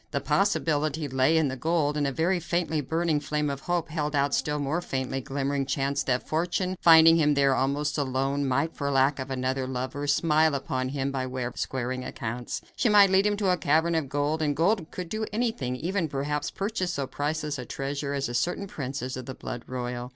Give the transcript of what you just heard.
The possibility lay in the gold, and a very faintly burning flame of hope held out the still more faintly glimmering chance that fortune, finding him there almost alone, might, for lack of another lover, smile upon him by way of squaring accounts. She might lead him to a cavern of gold, and gold would do anything; even, perhaps, purchase so priceless a treasure as a certain princess of the blood royal.